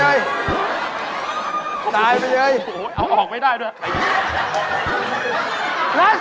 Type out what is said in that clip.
ใช่นะเอาออกไม่ได้ด้วย